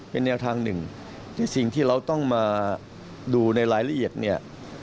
เป็นแนวทางหนึ่งในสิ่งที่เราต้องมาดูในรายละเอียดเนี่ย